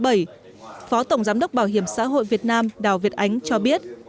phó tổng giám đốc bảo hiểm xã hội việt nam đào việt ánh cho biết